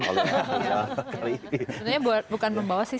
sebenarnya bukan membawa sih